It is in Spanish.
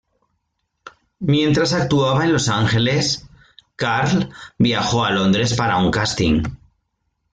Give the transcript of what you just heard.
Mientras actuaba en Los Angeles, Carl viajó a Londres para un casting.